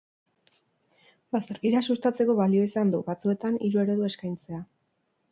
Bazterkeria sustatzeko balio izan du, batzuetan, hiru eredu eskaintzea.